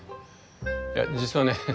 いや実はね